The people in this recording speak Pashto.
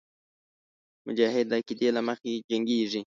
مجاهد د عقیدې له مخې جنګېږي.